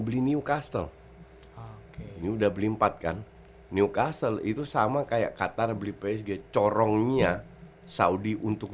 beli newcastle oke ini udah beli empat kan newcastle itu sama kayak qatar beli psg corongnya saudi untuk